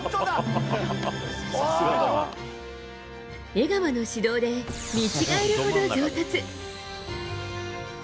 江川の指導で見違えるほど上達。